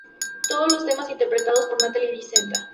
Todos los temas interpretados por Natalia Dicenta.